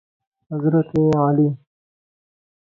حضرت علی